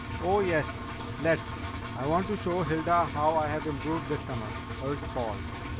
"Oh, yes, let's! I want to show Hilda how I have improved this summer," urged Paul.